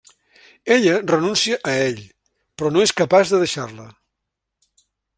Ella renuncia a ell, però no és capaç de deixar-la.